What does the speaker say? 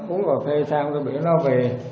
uống cà phê xong tôi biểu nó về